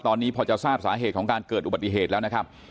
ตอนนี้พอจะทราบสาเหตุของการเกิดอุบัติเหตุแล้วนะครับ